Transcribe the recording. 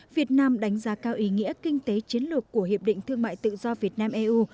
việt nam đánh giá cao ý nghĩa kinh tế chiến lược của hiệp định thương mại tự do việt nam eu